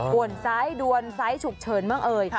วนซ้ายดวนซ้ายฉุกเฉินบ้างเอ่ย